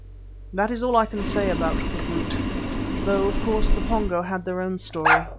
That is all I can say about the brute, though of course the Pongo had their own story.